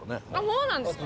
そうなんですか？